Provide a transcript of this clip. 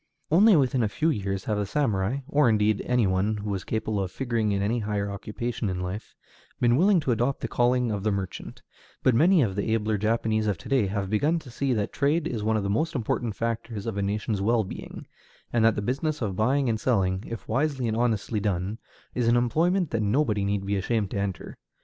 Only within a few years have the samurai, or indeed any one who was capable of figuring in any higher occupation in life, been willing to adopt the calling of the merchant; but many of the abler Japanese of to day have begun to see that trade is one of the most important factors of a nation's well being, and that the business of buying and selling, if wisely and honestly done, is an employment that nobody need be ashamed to enter.